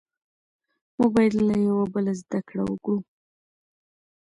موږ بايد له يوه بل زده کړه وکړو.